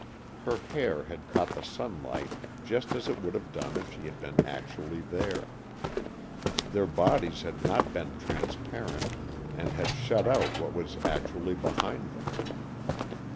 Her hair had caught the sunlight just as it would have done if she had been actually there. Their bodies had not been transparent and had shut out what was actually behind them.